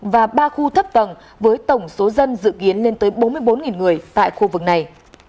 và ba khu thấp tầng với tổng số dân dự kiến lên tới bốn mươi bốn người tại khu vực này